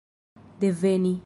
deveni